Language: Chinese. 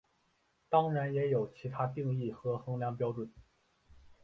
当然也有其它定义和衡量标准。